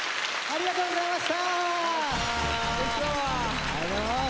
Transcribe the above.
ありがとうございます。